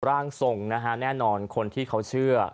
ร่างทรงนะฮะแน่นอนคนที่เขาเชื่อ